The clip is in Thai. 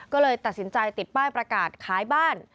ก็เลยตัดสินใจติดป้ายประกาศขายบ้าน